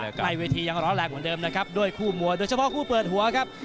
ใกล้เวทียังร้อนแรงเหมือนเดิมนะครับด้วยคู่มวยโดยเฉพาะคู่เปิดหัวครับ